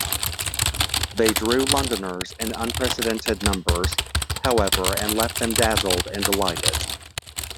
They drew Londoners in unprecedented numbers, however, and left them dazzled and delighted.